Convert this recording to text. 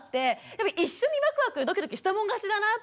でも一緒にワクワクドキドキしたもん勝ちだなって。